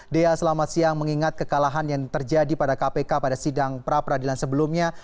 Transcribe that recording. dea selamat siang mengingat kekalahan yang terjadi pada kpk pada sidang pra peradilan sebelumnya